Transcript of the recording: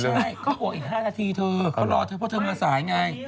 ไม่ใช่เขาก็บอกอีก๕นาทีเถอะเขารอเถอะเพราะเธอมาสายไง